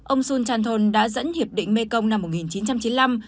ông sun chan thon đã dẫn hiệp định mê công năm một nghìn chín trăm chín mươi năm